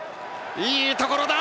いいところだ！